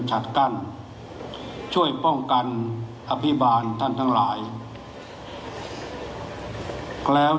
ถือว่าชีวิตที่ผ่านมายังมีความเสียหายแก่ตนและผู้อื่น